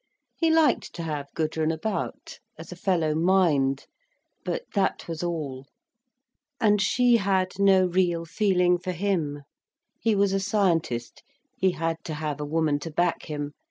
He liked to have Gudrun about, as a fellow mind—but that was all. And she had no real feeling for him. He was a scientist, he had to have a woman to back him.